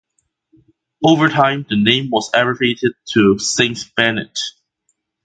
Over time the name was abbreviated to Saint Benet.